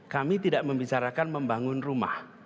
kami tidak membicarakan membangun rumah